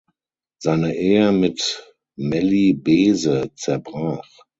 Seine Ehe mit Melli Beese zerbrach.